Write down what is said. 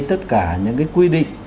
tất cả những quy định